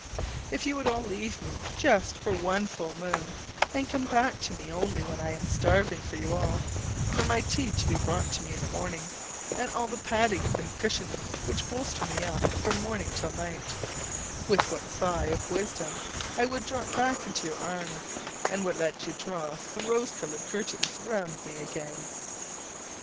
If you would all leave me just for one full moon, and come back to me only when I am starving for you all for my tea to be brought to me in the morning, and all the paddings and cushionings which bolster me up from morning till night with what a sigh of wisdom I would drop back into your arms, and would let you draw the rose colored curtains round me again!